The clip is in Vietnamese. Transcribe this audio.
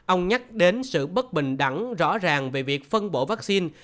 ông nhắc đến sự bất bình đẳng rõ ràng về việc phân bổ vaccine